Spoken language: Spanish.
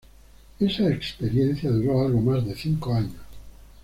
Esa experiencia duró algo más de cinco años.